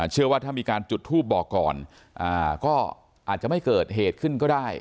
เชื่อว่าถ้ามีการจุดทูปบอกก่อนก็อาจจะไม่เกิดเหตุขึ้นก็ได้